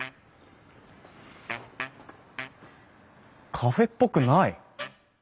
カフェっぽくない！